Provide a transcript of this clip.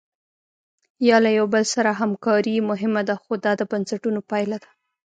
یا له یو بل سره همکاري مهمه ده خو دا د بنسټونو پایله ده.